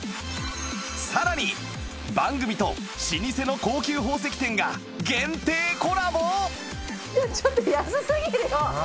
さらに番組と老舗の高級宝石店が限定コラボ！？